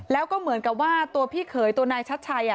แล้วก็เหมือนกับว่าตัวพี่เขยตัวนายชัดชัย